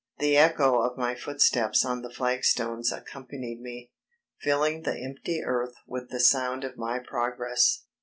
The echo of my footsteps on the flagstones accompanied me, filling the empty earth with the sound of my progress.